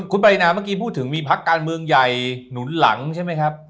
คุณปรินาเมื่อกี้พูดถึงมีพักการเมืองใหญ่หนุนหลังใช่ไหมครับ